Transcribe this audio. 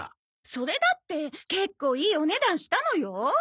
それだって結構いいお値段したのよ。